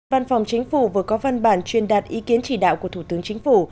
văn phòng chính phủ vừa có văn bản truyền đạt ý kiến chỉ đạo của thủ tướng chính phủ